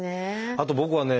あと僕はね